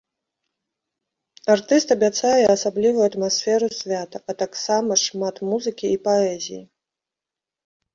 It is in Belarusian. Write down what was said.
Артыст абяцае асаблівую атмасферу свята, а таксама шмат музыкі і паэзіі.